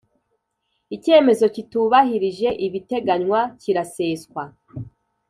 icyemezo kitubahirije ibiteganywa kiraseswa